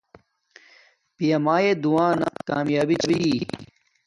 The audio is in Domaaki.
پیا مایے دعا نا کامیابی چھی